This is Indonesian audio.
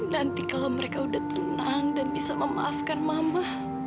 nanti kalau mereka udah tenang dan bisa memaafkan mama